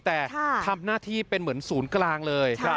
แต่ทำหน้าที่เป็นเหมือนศูนย์กลางเลย